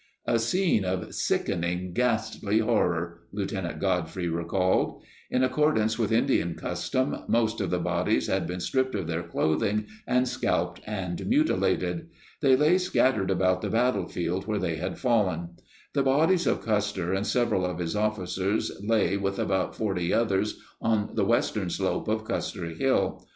"A scene of sickening ghastly horror," Lieutenant Godfrey re called. In accordance with Indian custom, most of the bodies had been stripped of their clothing and scalped and mutilated. They lay scattered about the battlefield where they had fallen. The bodies of 72 Custer and several of his officers lay with about 40 others on the western slope of Custer Hill.